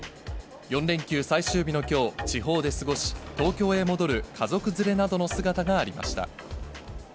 ４連休最終日のきょう、地方で過ごし、東京へ戻る家族連れなどの姿がありました。